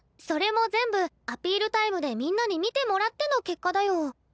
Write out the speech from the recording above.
それも全部アピールタイムでみんなに見てもらっての結果だよ。